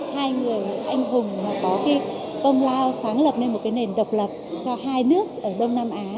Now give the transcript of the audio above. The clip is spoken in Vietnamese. hai người anh hùng mà có cái công lao sáng lập nên một cái nền độc lập cho hai nước ở đông nam á